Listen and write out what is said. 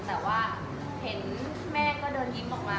แต่มาแม่ยิ่มออกมา